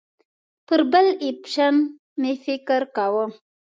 پر بل اپشن مې فکر کاوه.